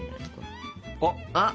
あっ！